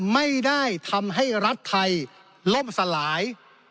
ไม่ได้ทำให้รัฐไทยล่มสลาย